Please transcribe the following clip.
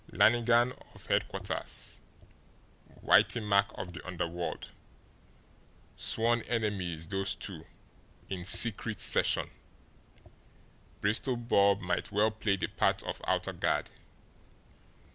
Lannigan of headquarters, Whitey Mack of the underworld, sworn enemies those two in secret session! Bristol Bob might well play the part of outer guard.